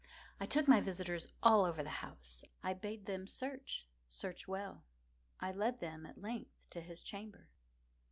I took my visitors all over the house. I bade them search—search well. I led them, at length, to his chamber.